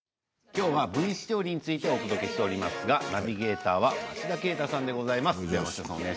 今日は分子調理についてお届けしていますがナビゲーターは町田啓太さんでございます。